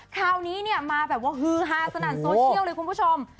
คราวนี้เนี่ยมาแบบว่าฮือฮาสนั่นโซเชียลเลยคุณผู้ชม